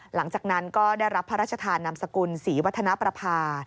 หลังจากนั้นก็ได้รับพระราชทานนามสกุลศรีวัฒนประภา